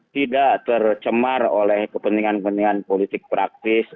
tidak tercemar oleh kepentingan kepentingan politik praktis